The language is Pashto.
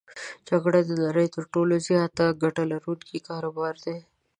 جګړه د نړی تر ټولو زیاته ګټه لرونکی کاروبار دی.